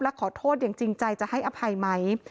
และขอโทษอย่างจริงใจจะให้อภัยไหม